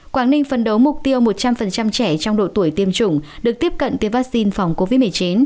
quảng ninh phân đấu mục tiêu một trăm linh trẻ trong độ tuổi tiêm chủng được tiếp cận tiêm vaccine phòng covid một mươi chín